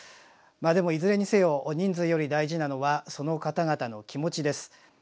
まあでもいずれにせよ人数より大事なのはその方々の気持ちです。